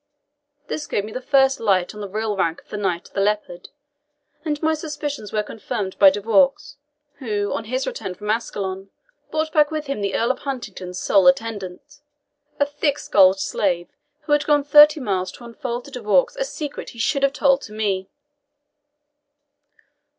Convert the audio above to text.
This gave me the first light on the real rank of the Knight of the Leopard; and my suspicions were confirmed by De Vaux, who, on his return from Ascalon, brought back with him the Earl of Huntingdon's sole attendant, a thick skulled slave, who had gone thirty miles to unfold to De Vaux a secret he should have told to me."